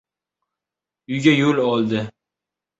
Uyga yo‘l oldi.